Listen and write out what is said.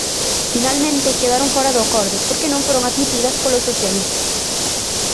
Finalmente quedaron fóra do acordo porque non foron admitidas polos socialistas.